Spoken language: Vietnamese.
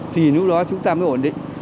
thì lúc đó chúng ta mới ổn định